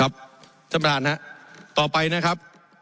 ท่านประธานครับต่อไปนะครับ